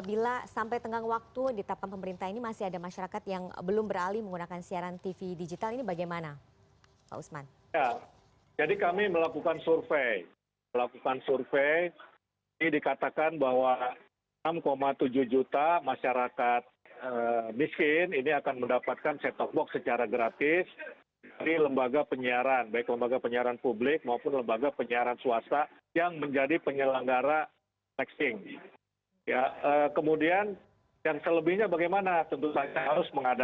bisa bayangkan tadi kata pak dirjen kita mungkin di asia tenggara ini cuma dua negara yang belum